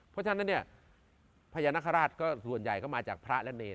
พ้อยังนักฮราชก็รวดใหญ่มาจากพระว์และเนร